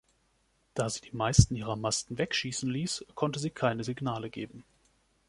Da sie die meisten ihrer Masten wegschießen ließ, konnte sie keine Signale geben.